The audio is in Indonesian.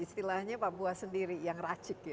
istilahnya pak buas sendiri yang racik ya